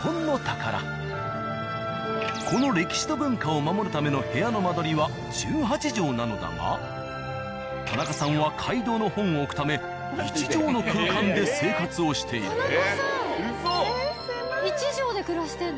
この歴史と文化を守るための部屋の間取りは１８帖なのだが田中さんは街道の本を置くため１帖の空間で生活をしている。